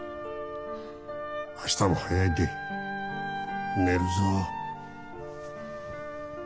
明日も早いんで寝るぞ。